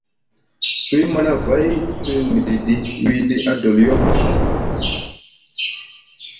Suwi manavay te miɗiɗi wiɗi adoliyo ɓa.